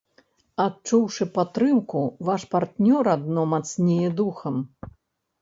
Адчуўшы падтрымку, ваш партнёр адно мацнее духам.